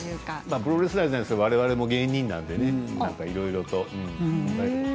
プロレスラーではないけどわれわれも芸人でいろいろと。